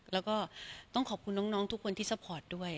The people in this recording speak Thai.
แล้วก็ต้องขอบคุณน้องทุกคนที่ซัพพอร์ตด้วย